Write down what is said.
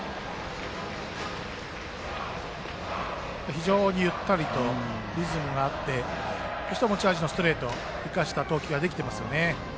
非常にゆったりとリズムがあって持ち味のストレートを生かした投球ができていますよね。